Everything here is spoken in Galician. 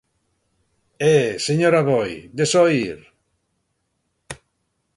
E, señor Aboi, ¿desoír?